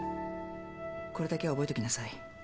これだけは覚えときなさい。